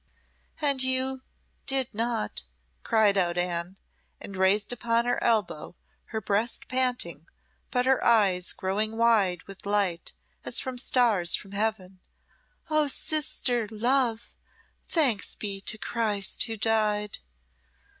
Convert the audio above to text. "And you did not " cried out Anne, and raised upon her elbow, her breast panting, but her eyes growing wide with light as from stars from heaven. "Oh, sister love thanks be to Christ who died!"